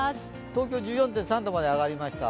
東京１４．３度まで上がりました。